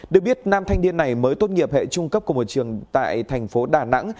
được biết nam thanh niên này mới tốt nghiệp hệ trung cấp của một trường tại thành phố đà nẵng